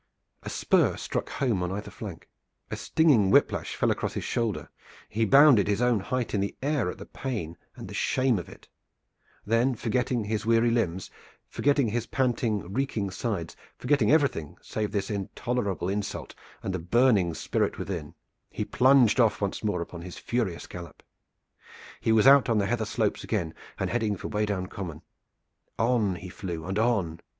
A spur struck home on either flank. A stinging whip lash fell across his shoulder. He bounded his own height in the air at the pain and the shame of it. Then, forgetting his weary limbs, forgetting his panting, reeking sides, forgetting everything save this intolerable insult and the burning spirit within, he plunged off once more upon his furious gallop. He was out on the heather slopes again and heading for Weydown Common. On he flew and on.